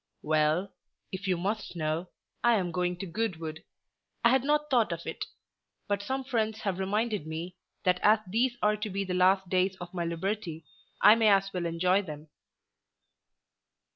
"Well; if you must know, I am going to Goodwood. I had not thought of it. But some friends have reminded me that as these are to be the last days of my liberty I may as well enjoy them."